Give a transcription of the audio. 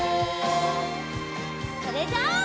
それじゃあ。